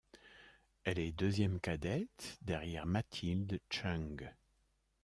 Elle est deuxième cadette, derrière Mathilde Chung.